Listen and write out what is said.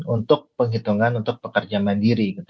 untuk penghitungan untuk pekerja mandiri